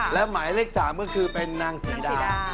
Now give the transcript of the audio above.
และหมายเลข๓ก็คือเป็นนางศรีดา